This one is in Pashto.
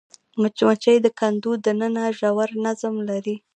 مچمچۍ د کندو دننه ژور نظم لري